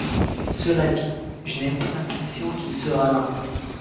Cela dit, je n'ai pas l'impression qu'il sera là.